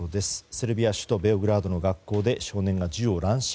セルビアの首都ベオグラードの学校で少年が銃を乱射。